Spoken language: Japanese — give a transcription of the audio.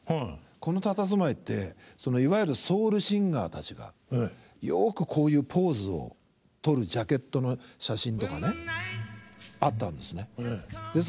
このたたずまいっていわゆるソウルシンガーたちがよくこういうポーズをとるジャケットの写真とかねあったんですね。